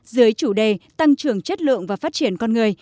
dưới chủ đề tăng trưởng chất lượng và phát triển con người